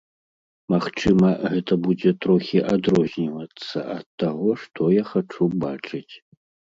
Магчыма, гэта будзе трохі адрознівацца ад таго, што я хачу бачыць.